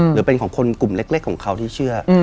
หรือเป็นของคนกลุ่มเล็กของเขาที่เชื่อ